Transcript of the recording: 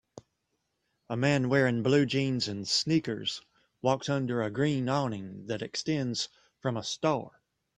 A man wearing blue jeans and sneakers walks under a green awning that extends from a store.